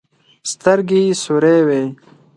سترګې يې سورې وې.